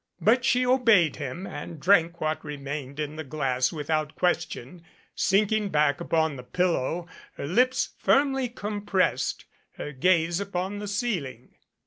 But she obeyed him, and drank what remained in the glass without ques tion, sinking back upon the pillow, her lips firmly com pressed, her gaze upon the ceiling.